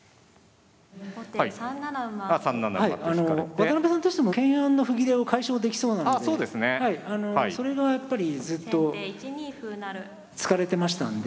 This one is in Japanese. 渡辺さんとしても懸案の歩切れを解消できそうなのでそれがやっぱりずっとつかれてましたんで。